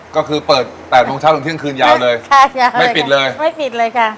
ก็คือเปิดแปดโมงเช้าถึงเที่ยงคืนยาวเลยใช่ค่ะไม่ปิดเลยไม่ปิดเลยค่ะ